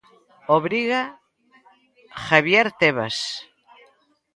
Obriga Javier Tebas.